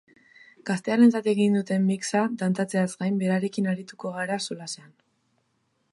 Gaztearentzat egin duten mix-a dantzatzeaz gain beraiekin arituko gara solasean.